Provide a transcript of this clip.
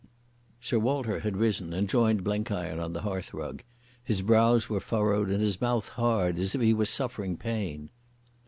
Sir Walter had risen and joined Blenkiron on the hearthrug. His brows were furrowed and his mouth hard as if he were suffering pain.